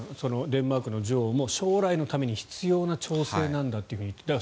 デンマークの女王も将来のために必要な調整なんだと言っている。